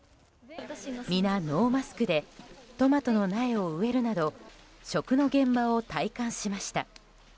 皆、ノーマスクでトマトの苗を植えるなど食の現場を体感しました。